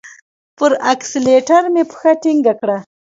پر اکسلېټر مي پښه ټینګه کړه !